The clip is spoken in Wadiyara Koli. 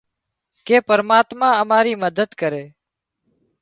ڪي پرماتما امارِي مدد ڪري۔